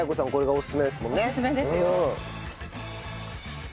オススメですよ。